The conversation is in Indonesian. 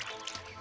ini udah kaget